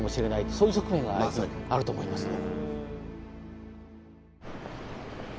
そういう側面はあると思いますね。